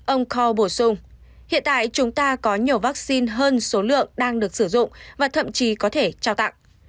ông co bổ sung hiện tại chúng ta có nhiều vaccine hơn số lượng đang được sử dụng và thậm chí có thể trao tặng